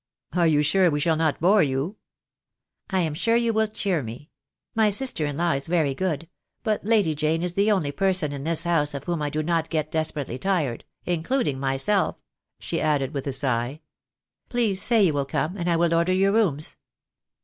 "Are you sure we shall not bore you?" "I am sure you will cheer me. My sister in law is very good — but Lady Jane is the only person in this house of whom I do not get desperately tired, including myself," she added, with a sigh. "Please say you will come, and I will order your rooms."